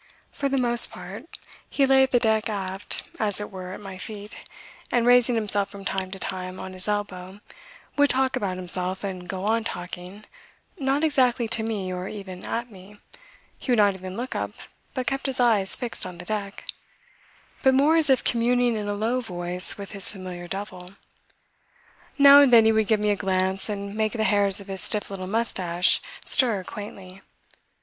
For the most part he lay on deck aft as it were at my feet, and raising himself from time to time on his elbow would talk about himself and go on talking, not exactly to me or even at me (he would not even look up but kept his eyes fixed on the deck) but more as if communing in a low voice with his familiar devil. Now and then he would give me a glance and make the hairs of his stiff little moustache stir quaintly.